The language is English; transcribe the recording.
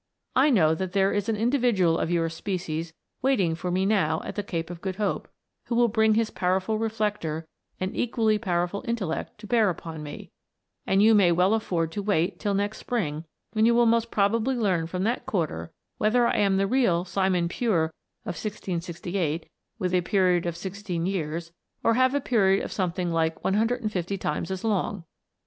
I know that there is an individual of your species waiting for me now at the Cape of Good Hope, who will bring his powerful reflector, and equally powerful intellect, to bear upon me ; and you may well afford to wait till next spring, when you will most probably learn from that quarter whether lam the real Simon Pure of 1668, with a period of 1 6 years, or have a period of some thing like 150 times as long.